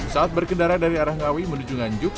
saat berkendara dari arah ngawi menuju nganjuk